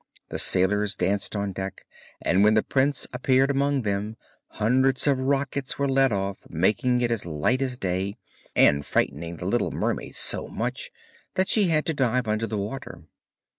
The sailors danced on deck, and when the prince appeared among them hundreds of rockets were let off making it as light as day, and frightening the little mermaid so much that she had to dive under the water.